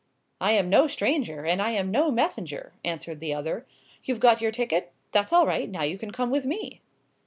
"I am no stranger, and I am no messenger!" answered the other. "You've got your ticket? That's all right! Now you can come with me."